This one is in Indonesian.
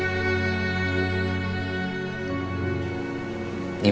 dia kayak aja rasa liberty medan medan